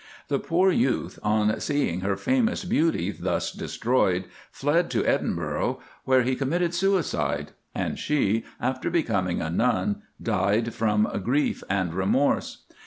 The poor youth, on seeing her famous beauty thus destroyed, fled to Edinburgh, where he committed suicide, and she, after becoming a nun, died from grief and remorse.